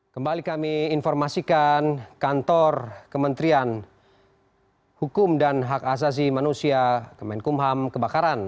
kembali kami informasikan kantor kementerian hukum dan hak asasi manusia kemenkumham kebakaran